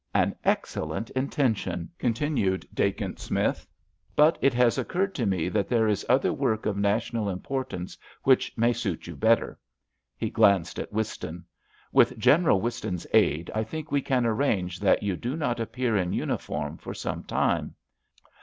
"An excellent intention," continued Dacent Smith. "But it has occurred to me that there is other work of national importance which may suit you better." He glanced at Whiston. "With General Whiston's aid I think we can arrange that you do not appear in uniform for some time.